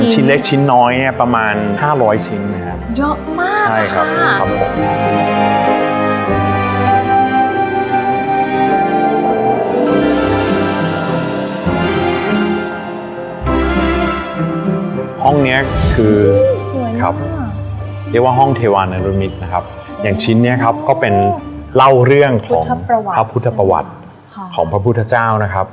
ห้องนี้คือครับเรียกว่าห้องเทวานรุมิตรนะครับอย่างชิ้นนี้ครับก็เป็นเล่าเรื่องของพระพุทธประวัติของพระพุทธเจ้านะครับ